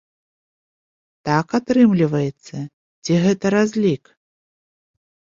Так атрымліваецца ці гэта разлік?